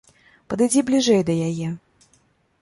Падыдзі бліжэй да яе.